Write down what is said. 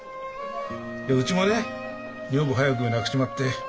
いやうちもね女房早く亡くしちまって。